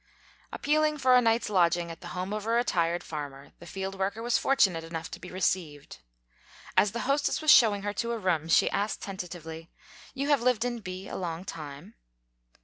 Appealing for a night's lodging at the home of a re tired farmer, the field worker was fortunate enough to be received. As the hostess was showing her to a room, she asked tentatively, "You have lived in B a long time